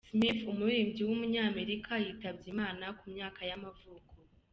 Smith, umuririmbyi w’umunyamerika yitabye Imana ku myaka y’amavuko.